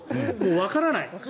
わからない。